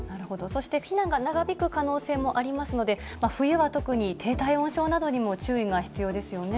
そして避難が長引く可能性もありますので、冬は特に低体温症などにも注意が必要ですよね。